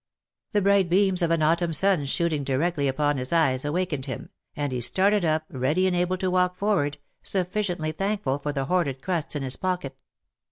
The bright beams of an autumn sun shooting directly upon his eyes awakened him, and he started up, ready and able to walk forward, sufficiently thankful for the hoarded crusts in his pocket.